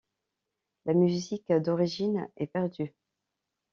La musique d'origine est perdue.